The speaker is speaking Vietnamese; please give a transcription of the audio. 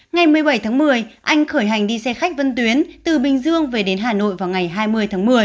ngày một mươi bảy tháng một mươi anh khởi hành đi xe khách vân tuyến từ bình dương về đến hà nội vào ngày hai mươi tháng một mươi